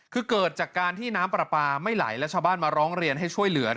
คือเกิดจากการที่น้ำปลาปลาไม่ไหลและชาวบ้านมาร้องเรียนให้ช่วยเหลือ